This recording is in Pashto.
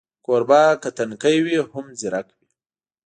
کوربه که تنکی وي، هم ځیرک وي.